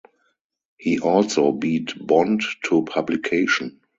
He also beat Bond to publication.